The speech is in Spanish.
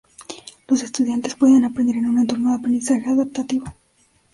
Los estudiantes pueden aprender en un entorno de aprendizaje adaptativo.